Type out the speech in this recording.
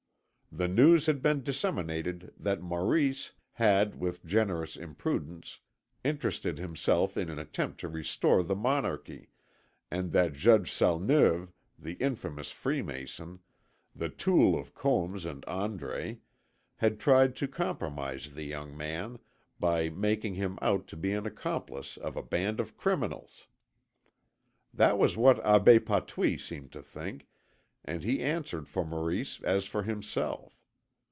The news had been disseminated that Maurice had with generous imprudence interested himself in an attempt to restore the monarchy, and that Judge Salneuve, the infamous freemason, the tool of Combes and André, had tried to compromise the young man by making him out to be an accomplice of a band of criminals. That was what Abbé Patouille seemed to think, and he answered for Maurice as for himself.